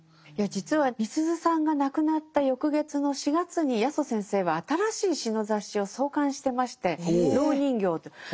いや実はみすゞさんが亡くなった翌月の４月に八十先生は新しい詩の雑誌を創刊してまして「蝋人形」と。